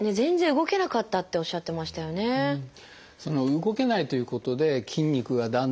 動けないということで筋肉がだんだん落ちてきますよね。